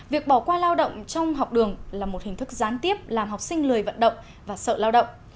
việc bỏ qua lao động trong học đường là một hình thức gián tiếp làm học sinh lười vận động và sợ lao động